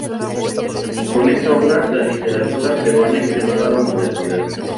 Con esta obra la literatura peruana ingresó a la modernidad.